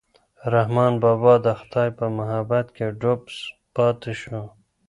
رحمان بابا د خدای په محبت کې ډوب پاتې شو.